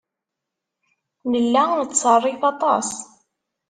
Nella nettṣerrif aṭas.